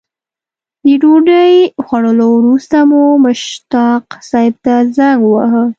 د ډوډۍ خوړلو وروسته مو مشتاق صیب ته زنګ وواهه.